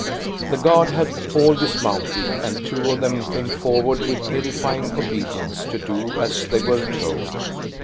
The guard had all dismounted; and two of them came forward with edifying obedience, to do as they were told.